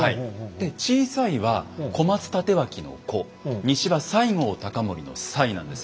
で「小さい」は小松帯刀の「小」「西」は西郷隆盛の「西」なんですよ。